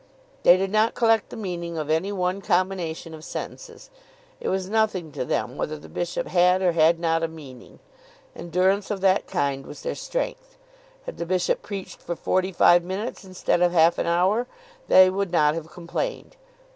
They did not collect the meaning of any one combination of sentences. It was nothing to them whether the bishop had or had not a meaning. Endurance of that kind was their strength. Had the bishop preached for forty five minutes instead of half an hour they would not have complained.